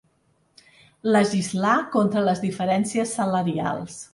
Legislar contra les diferències salarials.